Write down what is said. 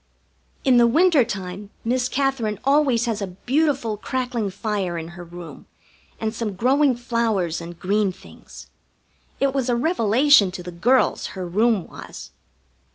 In the winter time Miss Katherine always has a beautiful crackling fire in her room, and some growing flowers and green things. It was a revelation to the girls, her room was.